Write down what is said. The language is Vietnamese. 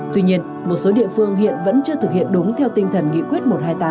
tuy nhiên một số địa phương hiện vẫn chưa thực hiện đúng theo tinh thần nghị quyết một trăm hai mươi tám